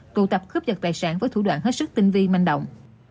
tụ tập khớp dật tài sản với thủ đoạn hết sức tinh vi manh động